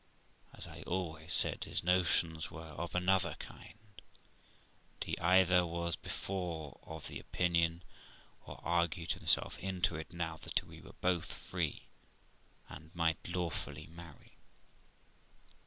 As I always said, his notions were of another kind, and he either was before of the opinion, or argued himself into it now, that we were both free and might lawfully marry.